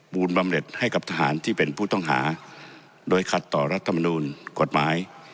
บำเน็ตให้กับทหารที่เป็นผู้ต้องหาโดยขัดต่อรัฐมนูลกฎหมาย